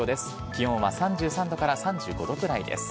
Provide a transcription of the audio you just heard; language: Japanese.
気温は３３度から３５度くらいです。